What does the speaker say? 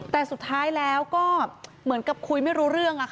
แต่สุดท้ายแล้วก็เหมือนกับคุยไม่รู้เรื่อง